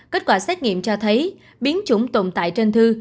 kết quả xét nghiệm cho thấy biến chủng tồn tại trên thư